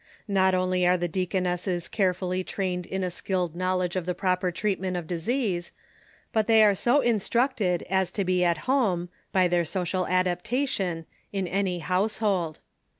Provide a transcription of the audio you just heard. Not only are the deaconesses carefully trained in a skilled knowledge of the proper treatment of disease, but they are so instructed as to be at home, by their social adaptation, in any household.